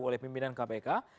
oleh pimpinan kpk